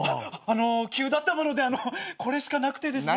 あの急だったものでこれしかなくてですね。